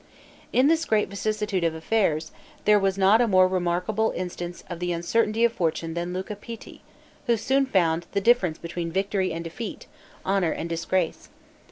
In this great vicissitude of affairs, there was not a more remarkable instance of the uncertainty of fortune than Luca Pitti, who soon found the difference between victory and defeat, honor and disgrace.